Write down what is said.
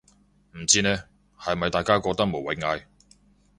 唔知呢，係咪大家覺得無謂嗌